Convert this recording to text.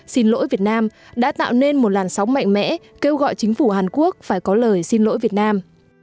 xin lỗi việt nam đã tạo nên một làn sóng mạnh mẽ kêu gọi chính phủ hàn quốc phải có lời xin lỗi việt nam